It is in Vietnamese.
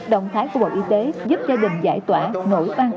động thái của bộ y tế giúp gia đình giải tỏa nỗi an ức những ngày qua của anh tập